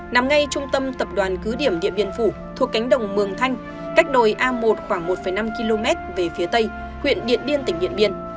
nằm ngay trung tâm tập đoàn cứ điểm điện biên phủ thuộc cánh đồng mường thanh cách đồi a một khoảng một năm km về phía tây huyện điện biên tỉnh điện biên